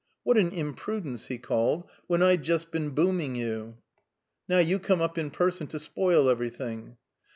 "What an imprudence," he called out, "when I'd just been booming you! Now you come up in person to spoil everything."